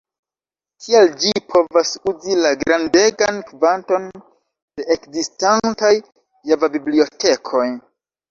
Tial ĝi povas uzi la grandegan kvanton de ekzistantaj Java-bibliotekoj.